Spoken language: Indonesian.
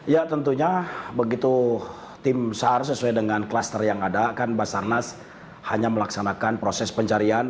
ya tentunya begitu tim sar sesuai dengan kluster yang ada kan basarnas hanya melaksanakan proses pencarian